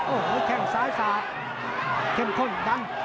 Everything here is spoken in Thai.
โอ้ยแข่งซ้ายสาตรเข้มข้นดัน